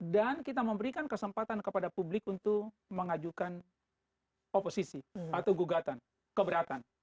dan kita memberikan kesempatan kepada publik untuk mengajukan oposisi atau gugatan keberatan